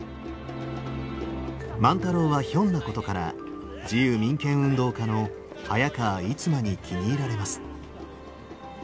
万太郎はひょんなことから自由民権運動家の早川逸馬に気に入られます。